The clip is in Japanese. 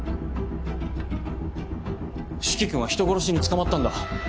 四鬼君は人殺しに捕まったんだ！